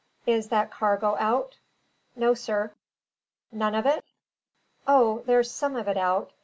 "Is that cargo out?" "No, sir." "None of it?" "O, there's some of it out.